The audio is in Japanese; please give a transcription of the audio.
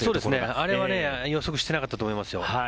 あれは予測してなかったと思いますよ。